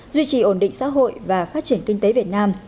duy trì ổn định xã hội và phát triển kinh tế việt nam